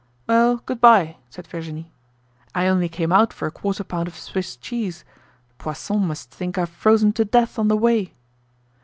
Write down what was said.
"Well, good bye," said Virginie. "I only came out for a quarter pound of Swiss cheese. Poisson must think I've frozen to death on the way."